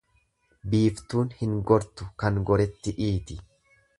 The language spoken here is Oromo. Biiftuun hin gortu kan goretti dhiiti.